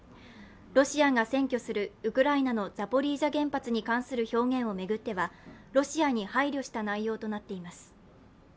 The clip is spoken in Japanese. ロシアが占拠するウクライナのザポリージャ原発に関する表現を巡ってはロシアに配慮した内容となっています。